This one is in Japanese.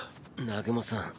南雲さん